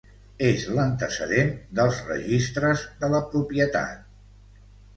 És l'antecedent dels registres de la Propietat.